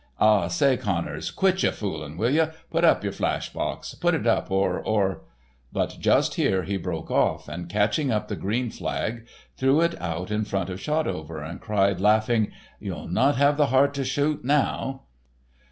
Aw, say, Connors, quit your foolin', will you; put up your flashbox—put it up, or—or—" But just here he broke off, and catching up the green flag, threw it out in front of Shotover, and cried, laughing, "Ye'll not have the heart to shoot now."